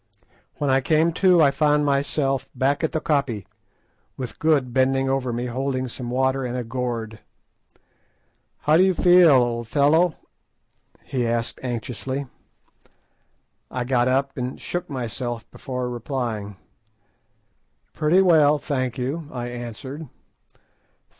When I came to I found myself back at the koppie, with Good bending over me holding some water in a gourd. "How do you feel, old fellow?" he asked anxiously. I got up and shook myself before replying. "Pretty well, thank you," I answered.